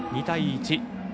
２対１。